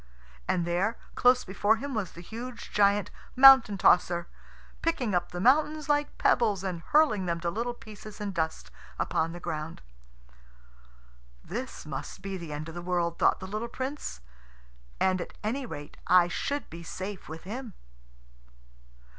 And there, close before him, was the huge giant Mountain tosser, picking up the mountains like pebbles and hurling them to little pieces and dust upon the ground. "This must be the end of the world," thought the little Prince; "and at any rate I should be safe with him."